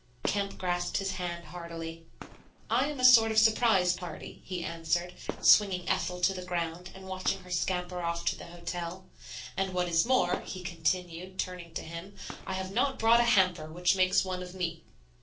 Kemp grasped his hand heartily. "I am a sort of surprise party," he answered, swinging Ethel to the ground and watching her scamper off to the hotel; "and what is more," he continued, turning to him, "I have not brought a hamper, which makes one of me."